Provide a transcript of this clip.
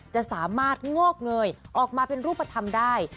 จะสามารถงอกเงยออกมาเป็นรูปธรรมได้